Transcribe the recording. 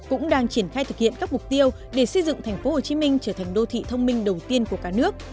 cũng đang triển khai thực hiện các mục tiêu để xây dựng thành phố hồ chí minh trở thành đô thị thông minh đầu tiên của cả nước